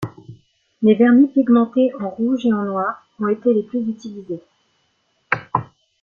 Les vernis pigmenté en rouge et en noir ont été les plus utilisés.